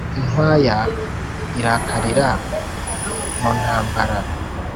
inkwaya irakarira mu ntambara